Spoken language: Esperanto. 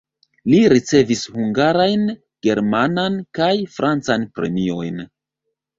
Li ricevis hungarajn, germanan kaj francan premiojn.